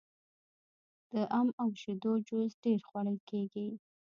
د ام او شیدو جوس ډیر خوړل کیږي.